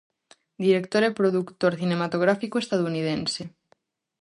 Director e produtor cinematográfico estadounidense.